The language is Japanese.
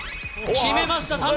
決めました！